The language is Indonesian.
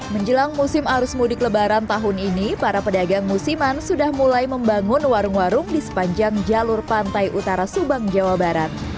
menjelang musim arus mudik lebaran tahun ini para pedagang musiman sudah mulai membangun warung warung di sepanjang jalur pantai utara subang jawa barat